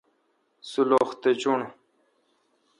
سلُخ تہ چُݨ۔